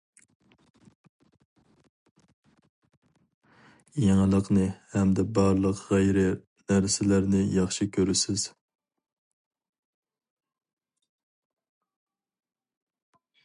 يېڭىلىقنى ھەمدە بارلىق غەيرىي نەرسىلەرنى ياخشى كورىسىز.